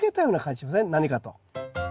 何かと。